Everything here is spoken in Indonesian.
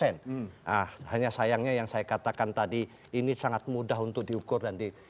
nah hanya sayangnya yang saya katakan tadi ini sangat mudah untuk diukur dan di